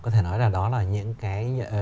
có thể nói là đó là những cái